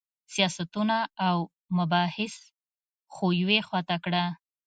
سیاستونه او مباحث خو یوې خوا ته کړه.